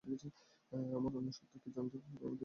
আমার অন্য সত্তা কি জানত কীভাবে এই দানবের মোকাবিলা করতে হয়?